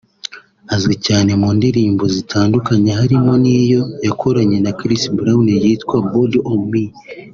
Azwi cyane mu ndirimbo zitandukanye harimo n’iyo yakoranye na Chris Brown yitwa “Body On Me”